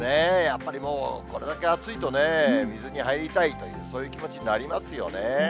やっぱりもう、これだけ暑いとね、水に入りたいという、そういう気持ちになりますよね。